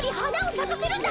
さかせるんだ